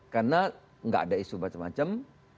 karena nggak ada isu macam macam